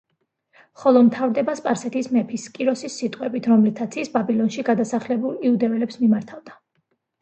ხოლო მთავრდება სპარსეთის მეფის კიროსის სიტყვებით, რომლითაც ის ბაბილონში გადასახლებულ იუდეველებს მიმართავდა.